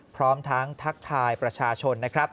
พร้อมทางทักทายประชาชน